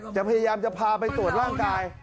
พยายามจะพาไปตรวจร่างกาย